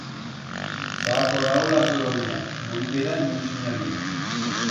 S'ha acorau la colonia, no'n queda ni un sinyalín.